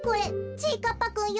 ちぃかっぱくんよ。